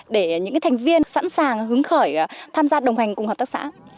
để những cái thành viên sẵn sàng hướng khởi tham gia đồng hành cùng hợp tác xã